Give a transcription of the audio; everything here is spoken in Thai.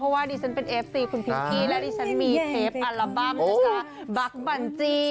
เพราะว่าดิฉันเป็นเอฟซีคุณพิงกี้และดิฉันมีเทพอัลบั้มนะคะบั๊กบันจี้